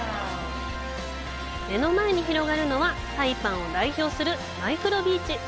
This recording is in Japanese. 目の前に広がるのはサイパンを代表するマイクロビーチ。